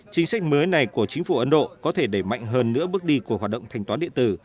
chính sách mới này của chính phủ ấn độ có thể đẩy mạnh hơn nữa bước đi của hoạt động thanh toán điện tử